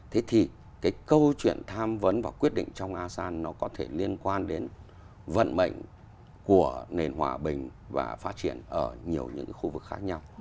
thế thì cái câu chuyện tham vấn và quyết định trong asean nó có thể liên quan đến vận mệnh của nền hòa bình và phát triển ở nhiều những khu vực khác nhau